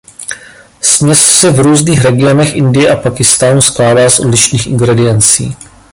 Směs se v různých regionech Indie a Pákistánu skládá z odlišných ingrediencí.